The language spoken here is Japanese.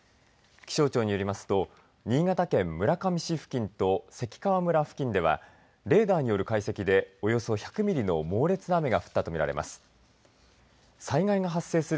気象庁によりますと新潟県村上市付近と関川村付近ではレーダーによる解析でおよそ１００ミリの猛烈な雨が降ったと見られます。